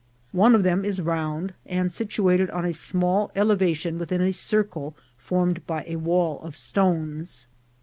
One of them is round, and situated on a small elevation within a circle formed by a wall of stones.